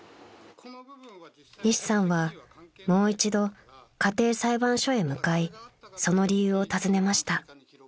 ［西さんはもう一度家庭裁判所へ向かいその理由を尋ねました］